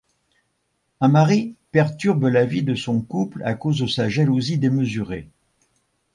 Un mari perturbe la vie de son couple à cause de sa jalousie démesurée.